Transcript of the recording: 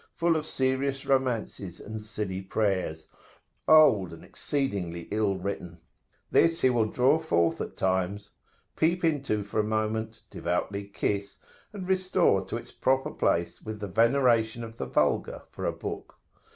full of serious romances and silly prayers, old and exceedingly ill written; this he will draw forth at times, peep into for a moment, devoutly kiss, and restore to its proper place with the veneration of the vulgar for a book.